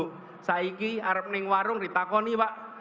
sekarang harap di warung ditangani pak